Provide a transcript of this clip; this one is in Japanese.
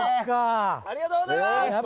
ありがとうございます！